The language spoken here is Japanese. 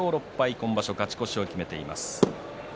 今場所勝ち越しを決めています。